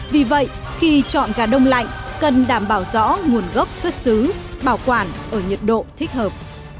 vì vậy khi chọn gà đông lạnh cần đảm bảo rõ nguồn gốc xuất xứ bảo quản ở nhiệt độ thích hợp